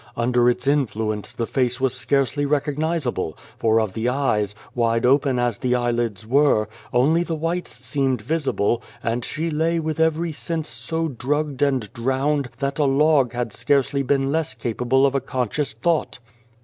Under its influence the face was scarcely recognisable, for of the eyes wide open as the eyelids were only the whites seemed visible, and she lay with every sense so drugged and drowned that a log had scarcely been less capable of a conscious thought.